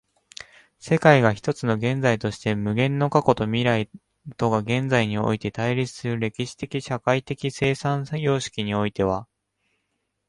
世界が一つの現在として、無限の過去と未来とが現在において対立する歴史的社会的生産様式においては、